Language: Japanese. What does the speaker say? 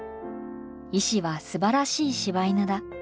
石はすばらしい柴犬だ。